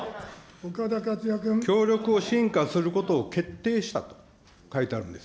協力を進化することを決定したと書いてあるんです。